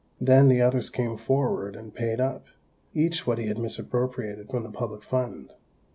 Then the others came forward and paid up, each what he had misappropriated from the public fund.